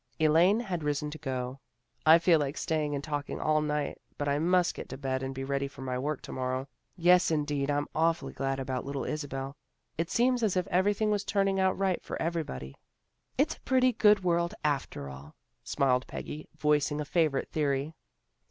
Elaine had risen to go. "I feel like staying and talking all night but I must get to bed and AN UNEXPECTED VISITOR 347 be ready for my work to morrow. Yes, indeed. I'm awfully glad about little Isabel. It seems as if everything was turning out right for every body." " It's a pretty good world after all," smiled Peggy, voicing a favorite theory.